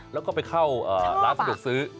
แล้วก็ไปเข้าร้านสะดวกซื้อ